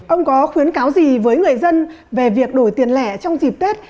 ông có khuyến cáo gì với người dân về việc đổi tiền lẻ trong dịp tết